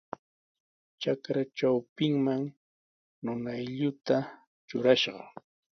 Trakra trawpinman nunaylluta trurashqa.